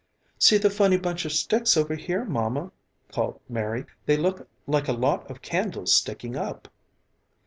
"See the funny bunch of sticks over here, Mamma," called Mary, "they look like a lot of candles sticking up."